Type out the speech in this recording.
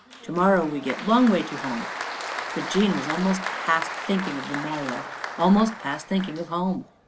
To morrow we get long way to home." But Jean was almost past thinking of the morrow, almost past thinking of home.